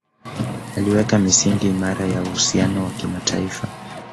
Aliweka misingi imara ya uhusiano wa kimataifa